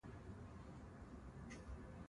لږ یې ټیټه وړوه.